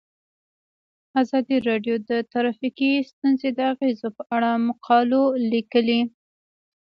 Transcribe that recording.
ازادي راډیو د ټرافیکي ستونزې د اغیزو په اړه مقالو لیکلي.